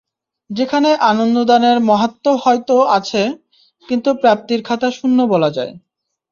যেখানে আনন্দদানের মাহাত্ম্য হয়তো আছে, কিন্তু প্রাপ্তির খাতা শূন্য বলা যায়।